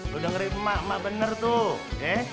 lo udah ngerti mak mak bener tuh